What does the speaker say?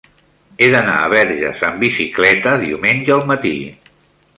He d'anar a Verges amb bicicleta diumenge al matí.